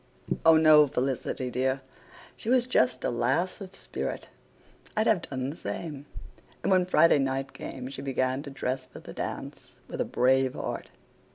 "Oh, no, Felicity dear, she was just a lass of spirit. I'd have done the same. And when Friday night came she began to dress for the dance with a brave heart.